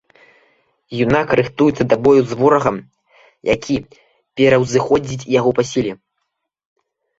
Юнак рыхтуецца да бою з ворагам, які пераўзыходзіць яго па сіле.